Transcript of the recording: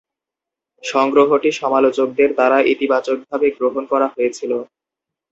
সংগ্রহটি সমালোচকদের দ্বারা ইতিবাচকভাবে গ্রহণ করা হয়েছিল।